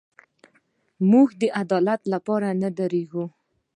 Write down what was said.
موږ د عدالت لپاره نه درېږو.